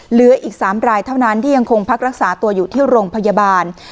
เหลืออีก๓รายเท่านั้นที่ยังคงพักรักษาตัวอยู่ที่โรงพยาบาล